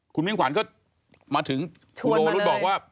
คุณมิ่งขวัญก็มาถึงคุณโอวรุธบอกว่า